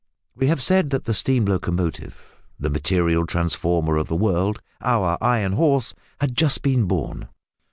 We have said that the steam locomotive the material transformer of the world our Iron Horse, had just been born.